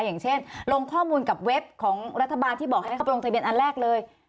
อย่างเช่นลงข้อมูลกับเว็บของรัฐบาลที่บอกให้เขาไปลงทะเบียนอันแรกเลย